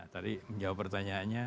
tadi menjawab pertanyaannya